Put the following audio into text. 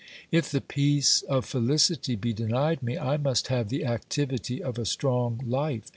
If the peace of felicity be denied me, I must have the activity of a strong life.